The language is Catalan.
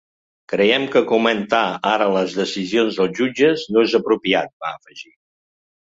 Creiem que comentar ara les decisions dels jutges no és apropiat, va afegir.